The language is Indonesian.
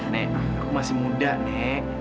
nek aku masih muda nek